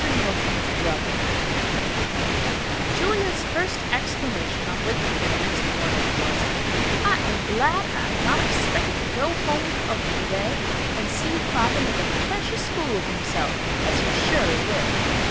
MIDDLETON'S BROTHER Julia's first exclamation, on waking the next morning, was, "I am glad I am not expected to go home with uncle today, and see father make a precious fool of himself, as he surely will."